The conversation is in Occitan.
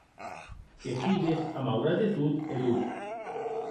Que sigues, a maugrat de tot, erós.